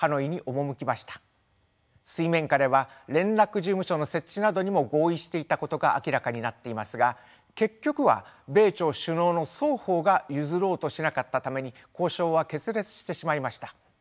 水面下では連絡事務所の設置などにも合意していたことが明らかになっていますが結局は米朝首脳の双方が譲ろうとしなかったために交渉は決裂してしまいました。